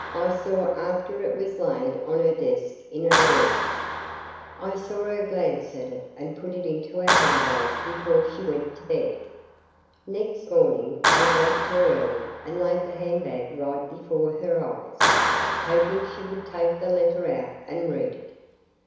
I saw it after it was laid on her desk in her room. I saw her glance at it and put it into her handbag before she went to bed. Next morning I waked her early and laid the handbag right before her eyes, hoping she would take the letter out and read it.